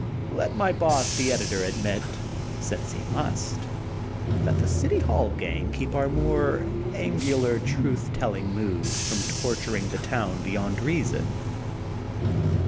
Let my boss, the editor, admit, since he must, that the City Hall gang keep our more angular truth tell ing moods from torturing the town beyond reason.